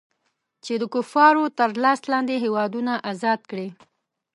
چې د کفارو تر لاس لاندې هېوادونه ازاد کړي.